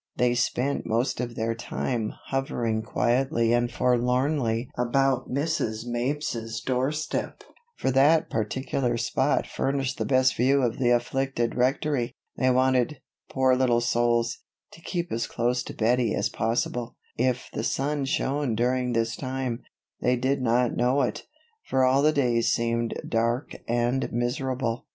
They spent most of their time hovering quietly and forlornly about Mrs. Mapes's doorstep, for that particular spot furnished the best view of the afflicted Rectory. They wanted, poor little souls, to keep as close to Bettie as possible. If the sun shone during this time, they did not know it; for all the days seemed dark and miserable.